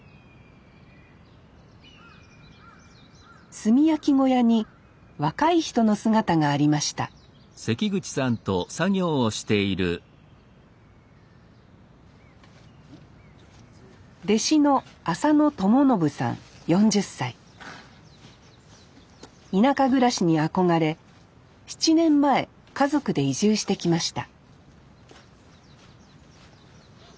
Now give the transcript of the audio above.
炭焼き小屋に若い人の姿がありました弟子の田舎暮らしに憧れ７年前家族で移住してきました